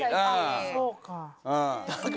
そうか。